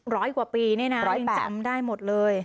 ร้อยกว่าปีนี่นะจำได้หมดเลย